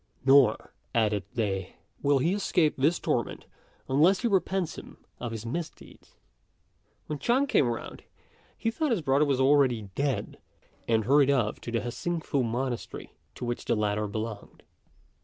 "Nor," added they, "will he escape this torment unless he repents him of his misdeeds." When Chang came round, he thought his brother was already dead, and hurried off to the Hsing fu monastery, to which the latter belonged.